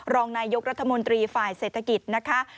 รองนายกรัฐมนตรีฝ่ายเศรษฐกิจนะคะ